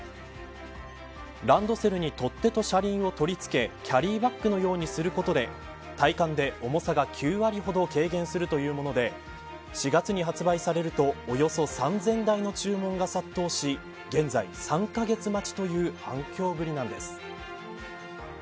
ランドセルに取っ手と車輪を取り付けキャリーバッグのようにすることで体感で重さが９割ほど軽減するというもので４月に発売されるとおよそ３０００台の注文が殺到し現在、３カ月待ちという反響ぶりなんです。